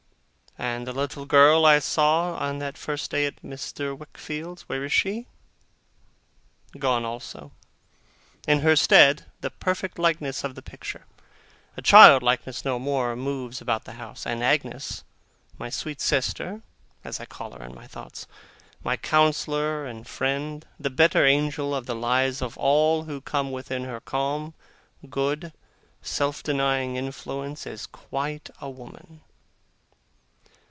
And the little girl I saw on that first day at Mr. Wickfield's, where is she? Gone also. In her stead, the perfect likeness of the picture, a child likeness no more, moves about the house; and Agnes my sweet sister, as I call her in my thoughts, my counsellor and friend, the better angel of the lives of all who come within her calm, good, self denying influence is quite a woman.